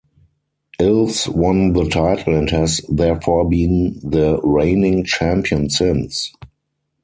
Ilves won the title and has therefore been the reigning champion since.